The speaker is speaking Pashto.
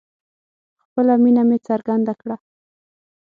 خپله مینه مې څرګنده کړه